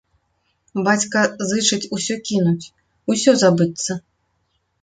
Бацька зычыць усё кінуць, усё забыцца.